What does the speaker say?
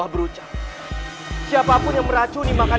dan sekarang terbukti ibu nda keteringmaniklah yang telah